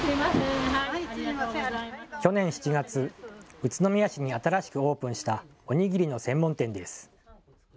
去年７月、宇都宮市に新しくオープンしたお握りの専門店です。